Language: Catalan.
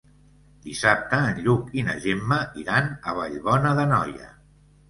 Dissabte en Lluc i na Gemma iran a Vallbona d'Anoia.